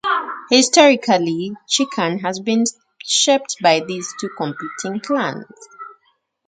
Historically, Chikan has been shaped by these two competing clans.